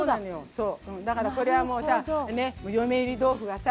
だからこれはもうさ「嫁いり豆腐」はさ